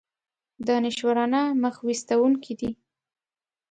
دانشورانه مخ ویستونکی دی.